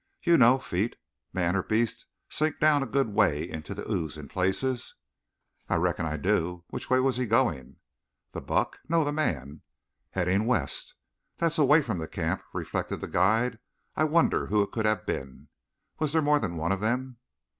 You know feet, man or beast, sink down a good way into the ooze in places." "I reckon I do. Which way was he going?" "The buck?" "No, the man." "Heading west." "That's away from the camp," reflected the guide. "I wonder who it could have been? Was there more than one of them?"